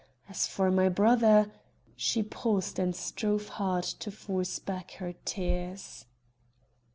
As for my brother " She paused and strove hard to force back her tears.